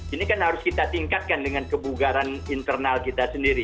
ini kan harus kita tingkatkan dengan kebugaran internal kita sendiri